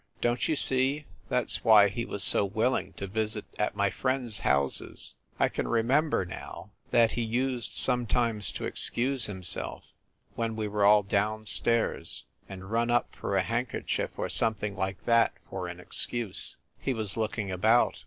Don t you see? That s why he was so willing to visit at my friends houses. I can remember, now, THE SUITE AT THE PLAZA 145 that he used sometimes to excuse himself, when we were all down stairs, and run up for a handkerchief, or something like that for an excuse. He was look ing about.